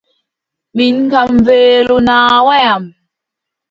Mi kam weelo naawaay am.